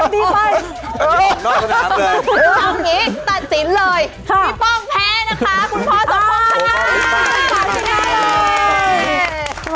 พี่ป้องแพ้นะคะคุณพ่อสมพงษ์ค่ะ